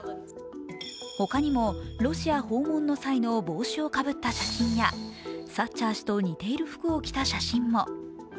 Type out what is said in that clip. ほかにもロシア訪問の際の帽子をかぶった写真やサッチャー氏と似ている服を着た写真も。